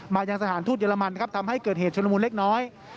มายังสถานทูตเยอรมันนะครับทำให้เกิดเหตุชนมูลเล็กน้อย